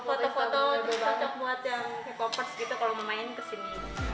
foto foto cocok buat yang hiphopers gitu kalau mau main kesini